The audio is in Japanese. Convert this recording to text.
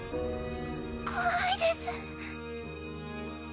怖いです。